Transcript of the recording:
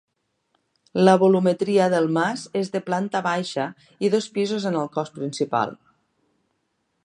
La volumetria del mas és de planta baixa i dos pisos en el cos principal.